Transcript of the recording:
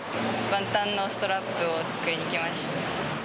バンタンのストラップを作りに来ました。